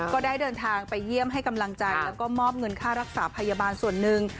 ก็ได้เดินทางไปเยี่ยมให้กำลังใจแล้วก็มอบเงินค่ารักษาพยาบาลส่วนหนึ่ง